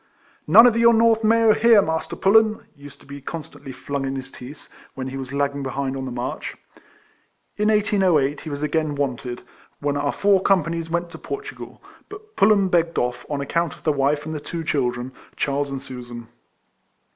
" None of your North May/w, here, Master Pullen!" used to be constantly flung in his teeth, when he was lagging behind on the march. In 1808 he was again wanted, when our four companies went to Portugal ; but Pullen begged off, on account of the wife and the two children, Charles and Susan.